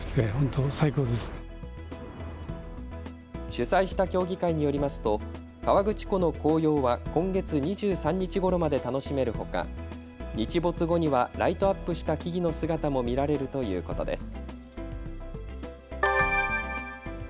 主催した協議会によりますと河口湖の紅葉は今月２３日ごろまで楽しめるほか日没後にはライトアップした木々の姿も見られるということです。